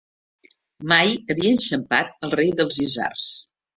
Mai havia enxampat el rei dels isards.